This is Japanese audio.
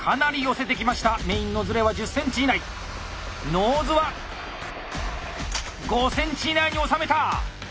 ノーズは５ｃｍ以内に収めた！